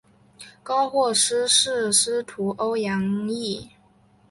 高获师事司徒欧阳歙。